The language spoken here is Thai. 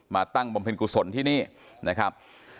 ตั้งบำเพ็ญกุศลที่นี่นะครับ